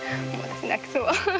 泣きそう。